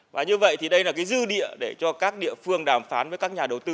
và như vậy thì đây là cái dư địa để cho các địa phương đàm phán với các nhà đầu tư